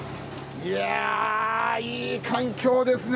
いやぁいい環境ですね